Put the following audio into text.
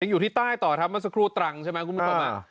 อีกอยู่ที่ใต้ต่อครับมันสกรูตรังใช่ไหมคุณผู้ชมมา